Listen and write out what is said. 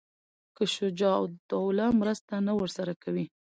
که شجاع الدوله مرسته نه ورسره کوي.